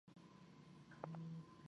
Ɨ́ɣèè wā ɨ́ í tʃégə́.